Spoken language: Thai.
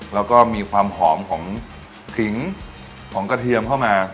แล้วก็มีความหอมของขิงของกระเทียมเข้ามา